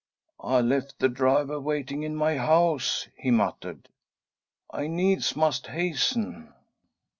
* "I left the driver waiting in my house," he muttered he. "I needs must hasten."